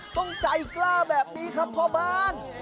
ต้องใจกล้าแบบนี้ครับพ่อบ้าน